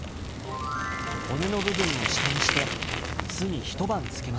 骨の部分を下にして酢に一晩漬けます。